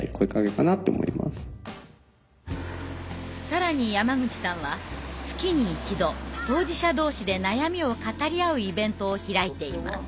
更に山口さんは月に１度当事者同士で悩みを語り合うイベントを開いています。